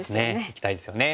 いきたいですよね。